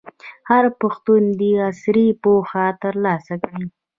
هر پښتون دي عصري پوهه ترلاسه کړي.